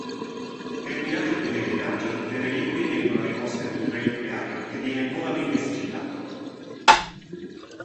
Terminato il pellegrinaggio le reliquie vengono riposte nel reliquiario che viene nuovamente sigillato.